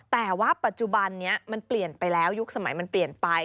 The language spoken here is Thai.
แต่ว่าปัจจุบันนี้มันเปลี่ยนไปแล้วยุคสมัยมันเปลี่ยนไป